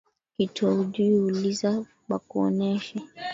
Kitu aujuwi uliza bakuoneshe